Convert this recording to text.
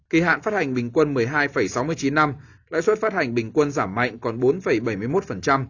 kỳ hạn phát hành bình quân một mươi hai sáu mươi chín năm lãi suất phát hành bình quân giảm mạnh còn bốn bảy mươi một